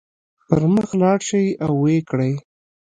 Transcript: پر مخ لاړ شئ او ويې کړئ.